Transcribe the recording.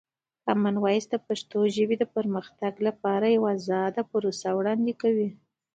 کامن وایس د پښتو ژبې د پرمختګ لپاره یوه ازاده پروسه وړاندې کوي.